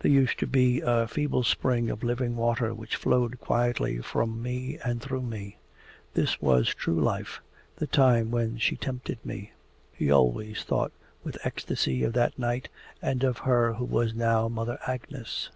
'There used to be a feeble spring of living water which flowed quietly from me and through me. That was true life, the time when she tempted me!' (He always thought with ecstasy of that night and of her who was now Mother Agnes.)